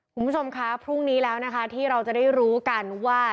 คุณผู้ชมคะพรุ่งนี้แล้วนะคะที่เราจะได้รู้กันว่า